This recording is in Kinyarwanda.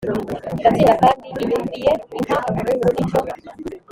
ndatsinda kandi inyumviye impa umuhungu ni cyo